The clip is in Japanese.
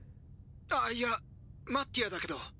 あいやマッティアだけど。